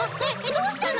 どうしたの？